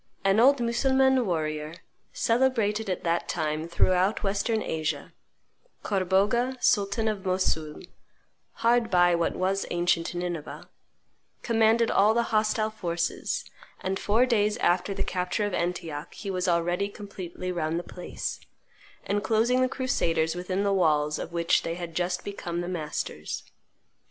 An old Mussulman warrior, celebrated at that time throughout Western Asia, Corbogha, sultan of Mossoul (hard by what was ancient Nineveh), commanded all the hostile forces, and four days after the capture of Antioch he was already completely round the place, enclosing the crusaders within the walls of which they had just become the masters.